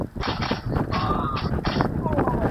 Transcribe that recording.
په کومو شرطونو پر خاوند لازمه ده چې خادم مقرر کړي؟